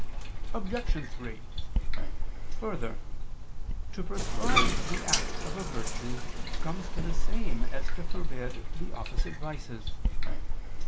Obj. 3: Further, to prescribe the act of a virtue comes to the same as to forbid the opposite vices.